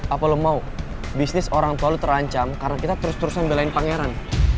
apa lo mau bisnis orang tua lo terancam karena kita terus terusan belain pangeran